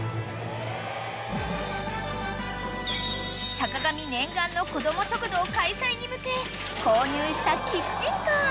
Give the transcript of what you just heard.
［坂上念願のこども食堂開催に向け購入したキッチンカー］